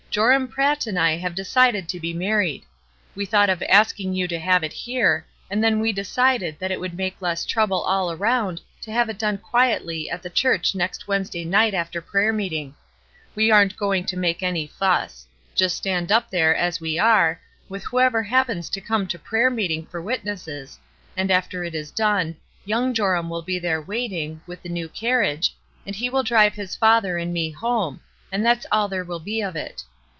Joram Pratt and I have SURPRISES 323 decided to be married. We thought of asking you to have it here, and then we decided that it would make less trouble all around to have it done quietly at the church next Wednesday night after prayer meetmg. We aren't going to make any fuss. Just stand up there, as we are, ^ath whoever happens to come to prayer meet ing for witnesses, and after it is done, young Joramwill be there waiting, with the new car riage, and he will drive his father and me home, and that is all there will be of it.